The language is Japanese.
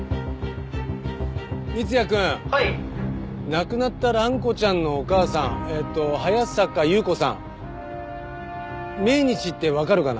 亡くなった蘭子ちゃんのお母さんえっと早坂優子さん命日ってわかるかな？